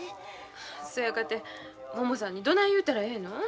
そやかてももさんにどない言うたらええの？